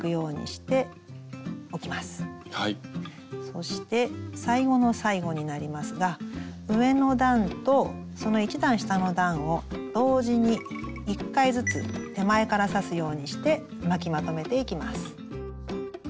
そして最後の最後になりますが上の段とその１段下の段を同時に１回ずつ手前から刺すようにして巻きまとめていきます。